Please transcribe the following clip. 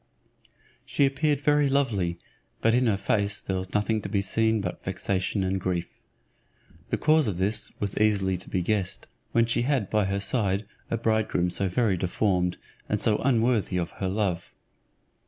She appeared very lovely, but in her face there was nothing to be seen but vexation and grief. The cause of this was easily to be guessed, when she had by her side a bridegroom so very deformed, and so unworthy of her love.